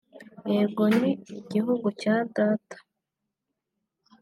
yego ni igihugu cya Data